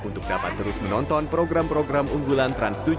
untuk dapat terus menonton program program unggulan trans tujuh